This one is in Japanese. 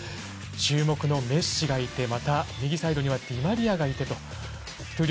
注目のメッシがいてまた右サイドにはディマリアがいてという。